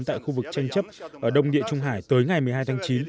tại khu vực tranh chấp ở đông địa trung hải tới ngày một mươi hai tháng chín